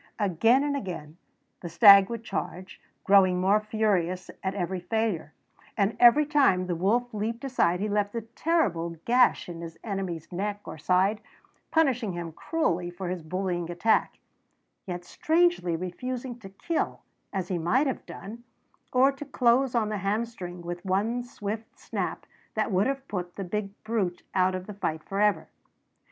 Again and again the stag would charge, growing more furious at every failure; and every time the wolf leaped aside he left a terrible gash in his enemy's neck or side, punishing him cruelly for his bullying attack, yet strangely refusing to kill, as he might have done, or to close on the hamstring with one swift snap that would have put the big brute out of the fight forever.